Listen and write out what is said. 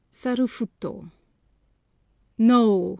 SARUFUTO. NO!